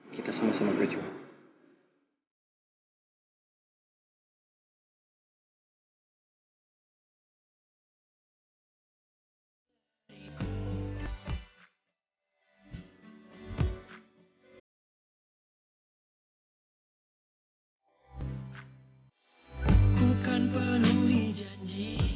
kita sama sama berjuang